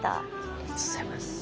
ありがとうございます。